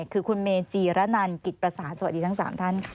คือคุณเมจีระนันกิจประสานสวัสดีทั้ง๓ท่านค่ะ